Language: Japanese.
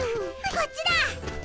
こっちだ！